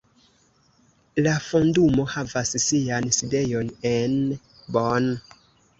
La Fondumo havas sian sidejon en Bonn.